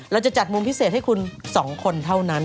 จะจัดมุมพิเศษให้คุณ๒คนเท่านั้น